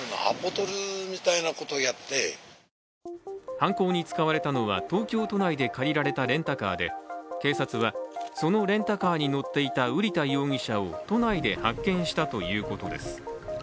犯行に使われたのは東京都内で借りられたレンタカーで警察はそのレンタカーに乗っていた瓜田容疑者を都内で発見したということです。